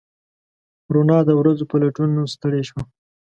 روڼا د ورځو په لټون ستړې شوه